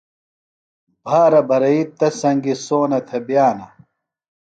بھارہ بھرئی تس سنگیۡ سونہ تھےۡ بِیانہ۔